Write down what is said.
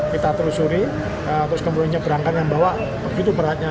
kita terusuri terus kemudiannya berangkat yang bawa begitu beratnya